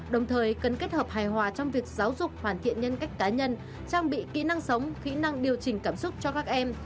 đồng thời cần kết hợp hài hòa trong việc giáo dục hoàn thiện nhân cách cá nhân trang bị kỹ năng sống kỹ năng điều chỉnh cảm xúc cho các em